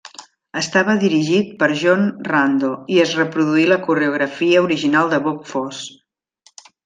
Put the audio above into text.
Estava dirigit per John Rando, i es reproduí la coreografia original de Bob Fosse.